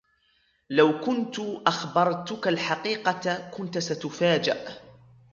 لو كنت أخبرتَك الحقيقة, كنتَ ستُفاجأ.